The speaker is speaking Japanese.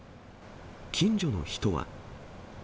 近所の人は。